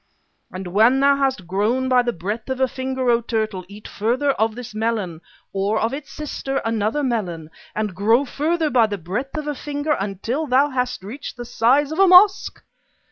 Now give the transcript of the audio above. _ "_And when thou hast grown by the breadth of a finger, O turtle, eat further of this melon, or of its sister, another melon, and grow further by the breadth of a finger until thou hast reached the size of a mosque.